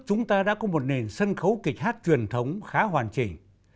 chúng ta đã có một nền sân khấu kịch hát truyền thống khá hoàn chỉnh